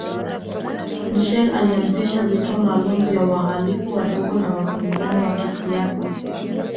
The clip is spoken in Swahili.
Machel alianzisha vituo maalumu vya wahalifu wadogo na wapinzani wa kisiasa